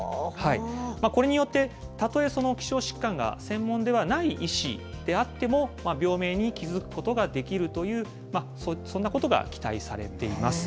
これによって、たとえ、その希少疾患が専門ではない医師であっても、病名に気付くことができるという、そんなことが期待されています。